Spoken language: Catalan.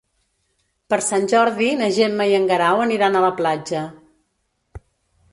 Per Sant Jordi na Gemma i en Guerau aniran a la platja.